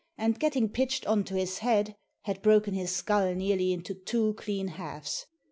and, getting pitched on to his head, had broken his skull nearly into two clean halves.